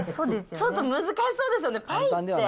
ちょっと難しそうですよね、パイって。